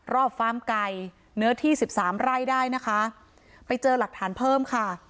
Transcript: ฟาร์มไก่เนื้อที่สิบสามไร่ได้นะคะไปเจอหลักฐานเพิ่มค่ะ